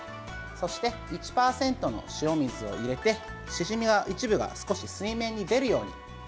そして、１％の塩水を入れてシジミが一部が少し水面に出るように。